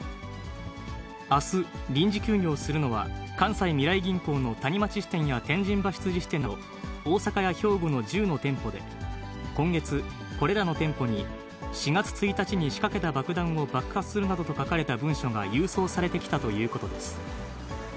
あす臨時休業するのは、関西みらい銀行の谷町支店や天神橋筋支店など大阪や兵庫の１０の店舗で、今月、これらの店舗に、４月１日に仕掛けた爆弾を爆破するなどと書かれた文書が郵送されてきたということです。